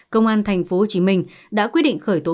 công an tp hcm đã quyết định khởi tố